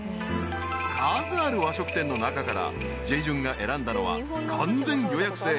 ［数ある和食店の中からジェジュンが選んだのは完全予約制。